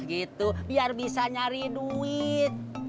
gitu biar bisa nyari duit